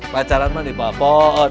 pacaran mah di bawah pohon